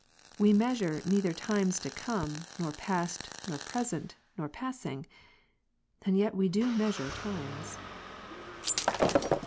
We measure neither times to come, nor past, nor present, nor passing ; and yet we do measui'e times.